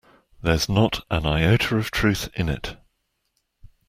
There's not an iota of truth in it.